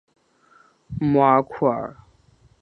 穆阿库尔。